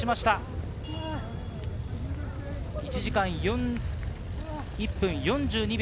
１時間１分４２秒。